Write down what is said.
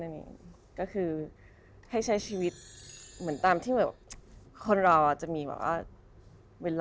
ก็คือให้ใช้ชีวิตเหมือนตามที่แบบคนเราจะมีแบบว่าเวลา